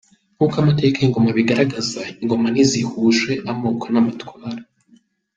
Nk’uko amateka y’ingoma abigaragaza, ingoma ntizihuije amoko n’amatwara.